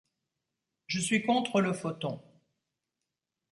Je suis contre le photon.